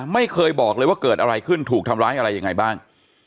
ไม่เคยบอกเลยว่าเกิดอะไรขึ้นถูกทำร้ายอะไรยังไงบ้าง